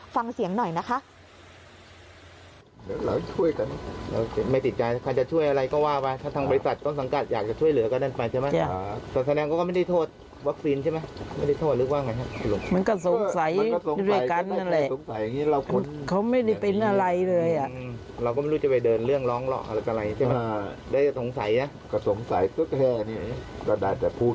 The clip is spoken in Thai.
ฟังเสียงหน่อยนะคะ